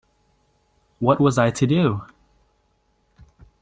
What was I to do?